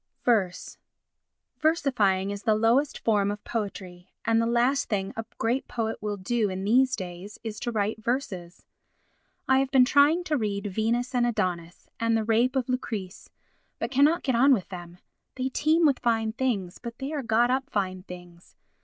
Verse Versifying is the lowest form of poetry; and the last thing a great poet will do in these days is to write verses. I have been trying to read Venus and Adonis and the Rape of Lucrece but cannot get on with them. They teem with fine things, but they are got up fine things.